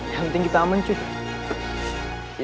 yang penting kita aman sih